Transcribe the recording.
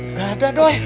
gak ada doi